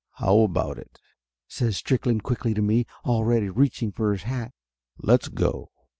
"How about it?" says Strickland quickly to me, al ready reaching for his hat. "Let's go!"